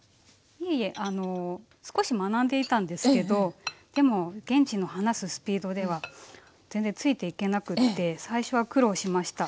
いえいえ少し学んでいたんですけどでも現地の話すスピードでは全然ついていけなくって最初は苦労しました。